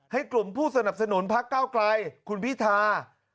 กลุ่มผู้สนับสนุนพักเก้าไกลคุณพิธา